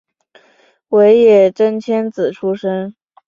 尾野真千子出身。